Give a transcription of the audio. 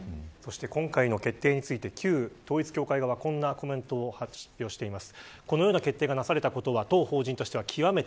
今回の決定について旧統一教会側はこんなコメントを発表しています。